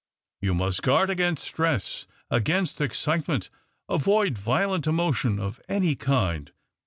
You must o'uard aoainst stress — aejainst excite ment. Avoid violent emotion of any kind.